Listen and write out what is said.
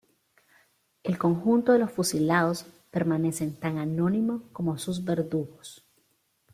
El conjunto de los fusilados permanece tan anónimo como sus verdugos.